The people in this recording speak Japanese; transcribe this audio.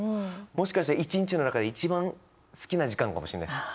もしかして１日の中で一番好きな時間かもしれないです。